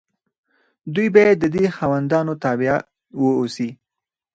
دوی باید د دې خاوندانو تابع واوسي.